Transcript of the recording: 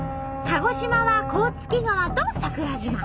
鹿児島は甲突川と桜島。